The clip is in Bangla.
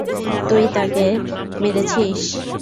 তোই তাকে মেরেছিস!